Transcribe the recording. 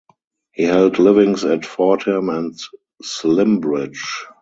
He held livings at Fordham and Slimbridge.